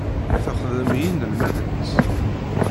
Texdem d yinelmaden-is.